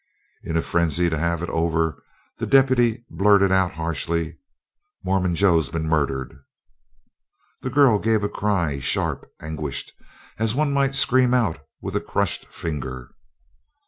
In a frenzy to have it over the deputy blurted out harshly: "Mormon Joe's been murdered!" The girl gave a cry sharp, anguished, as one might scream out with a crushed finger.